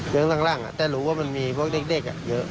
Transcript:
เริ่มรั่งแต่รู้ว่ามันมีพวกเด็กเยอะ